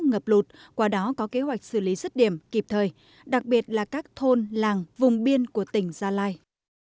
ngập lụt qua đó có kế hoạch xử lý rứt điểm kịp thời đặc biệt là các thôn làng vùng biên của tỉnh gia lai